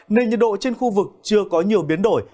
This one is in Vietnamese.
nền nhiệt độ trên khu vực chưa có nhiều biến đổi